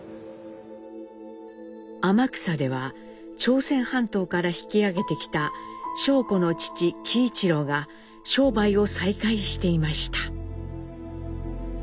天草では朝鮮半島から引き揚げてきた尚子の父喜一郎が商売を再開していました。